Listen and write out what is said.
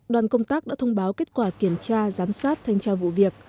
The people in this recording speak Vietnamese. đoàn công tác đã thông báo kết quả kiểm tra giám sát thanh tra vụ việc